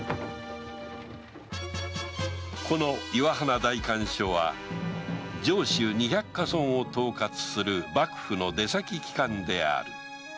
この岩鼻代官所は上州二百ヶ村を統括する幕府の出先機関である